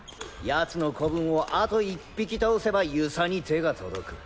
奴の子分をあと１匹倒せば遊佐に手が届く。